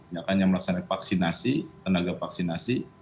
yakannya melaksanakan vaksinasi tenaga vaksinasi